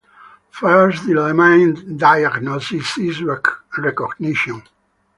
First dilemma in diagnosis is recognition.